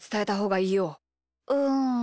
うん。